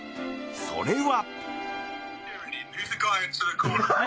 それは。